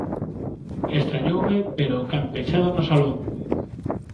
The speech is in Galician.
Estrañoume ver o can pechado no salón.